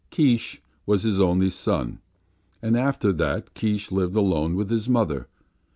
Keesh was his only son, and after that Keesh lived alone with his mother.